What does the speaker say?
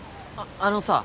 あのさ